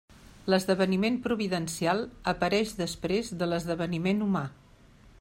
L'esdeveniment providencial apareix després de l'esdeveniment humà.